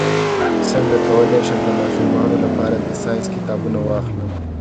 څنګه کولی شم د ماشومانو لپاره د ساینس کتابونه واخلم